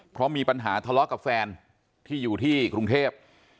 เพราะมีปัญหาทะเลาะกับแฟนที่อยู่ที่กรุงเทพ